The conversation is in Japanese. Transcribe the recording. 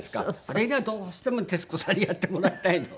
あれがどうしても徹子さんにやってもらいたいの。